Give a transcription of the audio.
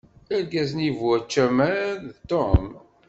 Argaz-nni bu ucamar d Tom.